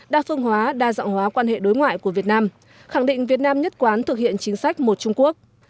đa phương hóa đa dạng hóa quan hệ đối ngoại của việt nam khẳng định việt nam nhất quán thực hiện chính sách một trung quốc